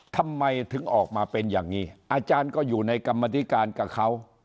ทำไมถึงออกมาเป็นอย่างนี้อาจารย์ก็อยู่ในกรรมธิการกับเขา